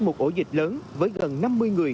một ổ dịch lớn với gần năm mươi người